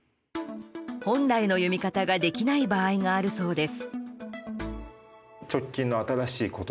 本来の読み方ができない場合があるそうです。